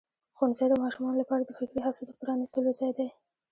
ښوونځی د ماشومانو لپاره د فکري هڅو د پرانستلو ځای دی.